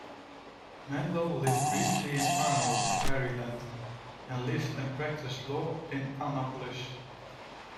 Mandel lived briefly in Arnold, Maryland, and lived and practiced law in Annapolis.